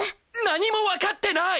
何もわかってない！